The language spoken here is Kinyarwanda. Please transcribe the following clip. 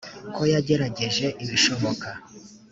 ko yagerageje ibishoboka